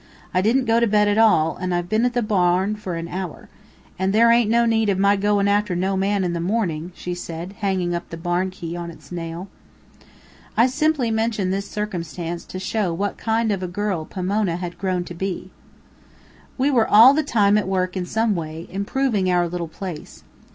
I didn't go to bed at all, and I've been at the barn fur an hour. And there ain't no need of my goin' after no man in the mornin'," said she, hanging up the barn key on its nail. I simply mention this circumstance to show what kind of a girl Pomona had grown to be. We were all the time at work in some way, improving our little place.